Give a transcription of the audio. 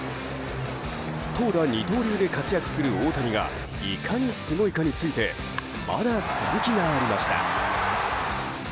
投打二刀流で活躍する大谷がいかに、すごいかについてまだ続きがありました。